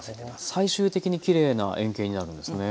最終的にきれいな円形になるんですね。